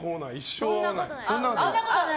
そんなことない！